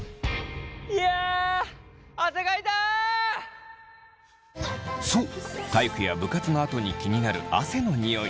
いやそう体育や部活のあとに気になる汗のニオイ。